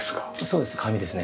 そうです。